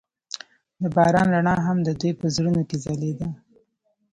د باران رڼا هم د دوی په زړونو کې ځلېده.